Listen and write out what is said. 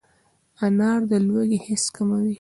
انار د لوږې حس کموي.